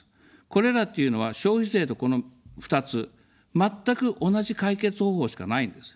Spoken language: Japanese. これらというのは消費税と、この２つ、全く同じ解決方法しかないんです。